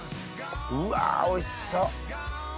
うわおいしそう！